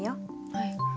はい。